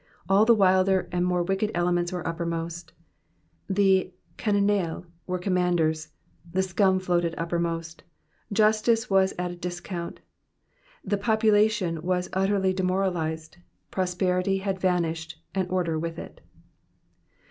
All the wilder and more wicked elements were uppermost ; the canaille were commanders ; the scum floated uppermost ; justice was at a discount ; the population was utterly demoralised ; prosperity had vanished and order with it.